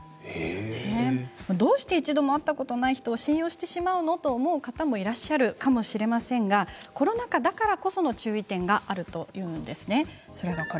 どうして一度も会ったことがない人を信用してしまうの？という思う方もいらっしゃるかもしれませんがコロナ禍だからこその注意点があるというんです。